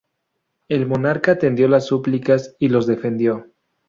El monarca atendió las súplicas y los defendió.